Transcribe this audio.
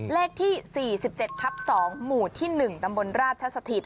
เลขที่สี่สิบเจ็ดทับสองหมู่ที่หนึ่งตำบลราชสถิต